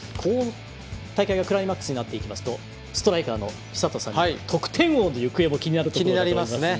大会がクライマックスになっていきますとストライカーの寿人さんは得点王の行方も気になると思いますが。